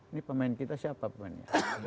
ini pemain kita siapa pemainnya